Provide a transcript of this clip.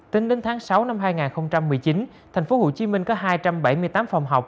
tính đến tháng sáu năm hai nghìn một mươi chín thành phố hồ chí minh có hai trăm bảy mươi tám phòng học